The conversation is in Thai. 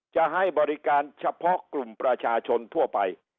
จะให้บริการเฉพาะกลุ่มประชาชนทั่วไป